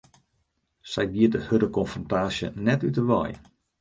Sy giet de hurde konfrontaasje net út 'e wei.